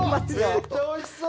めっちゃおいしそう！